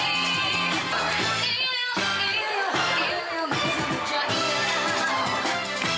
めちゃくちゃいいでしょ。